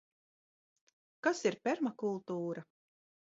Kas ir permakultūra?